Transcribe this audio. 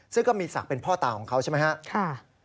ซึ่งก็มีศักดิ์เป็นพ่อตาของเขาใช่ไหมครับ